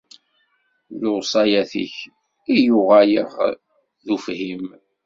S lewṣayat-ik i yuɣaleɣ d ufhim.